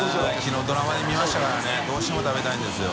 里ドラマで見ましたからねどうしても食べたいんですよ。